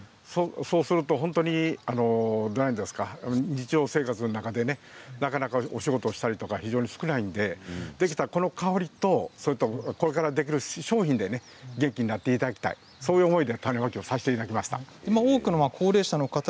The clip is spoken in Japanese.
そうすると日常生活の中でなかなかお仕事をしたりということが少ないのでできたらこの香りとこれからできる商品で元気になっていただきたいと種まきをさせていただきました。